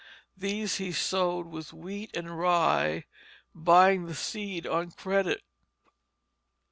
These he sowed with wheat and rye, buying the seed on credit.